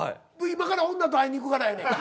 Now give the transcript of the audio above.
今から女と会いに行くからやねん。